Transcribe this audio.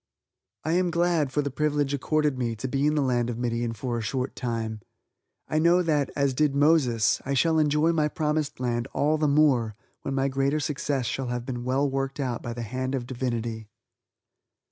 I am glad for the privilege accorded me to be in the land of Midian for a short time! I know that, as did Moses, I shall enjoy my promised land all the more when my greater success shall have been well worked out by the hand of Divinity.